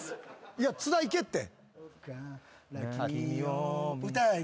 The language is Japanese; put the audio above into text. いや津田いけって。